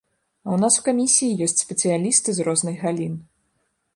А ў нас у камісіі ёсць спецыялісты з розных галін.